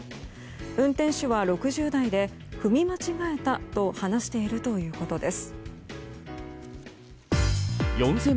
運転手は６０代で踏み間違えたと話しているということです。